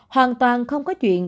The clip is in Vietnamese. hoàn toàn không có chuyện